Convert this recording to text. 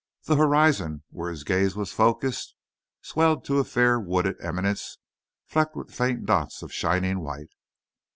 The horizon, where his gaze was focussed, swelled to a fair wooded eminence flecked with faint dots of shining white.